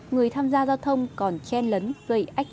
người tham gia giao thông không chỉ xuất hiện ở huyện thăng bình